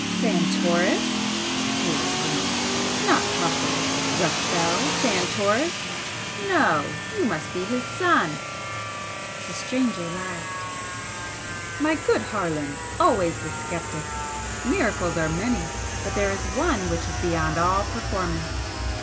"Santoris!" he exclaimed "Not possible! Rafel Santoris! No! You must be his son!" The stranger laughed. "My good Harland! Always the sceptic! Miracles are many, but there is one which is beyond all performance.